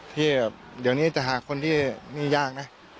เดี๋ยวนี้จะหาคนที่มียากนะ